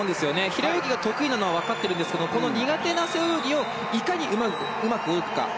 平泳ぎが得意なのは分かっているんですけど苦手な背泳ぎをいかにうまく泳ぐか。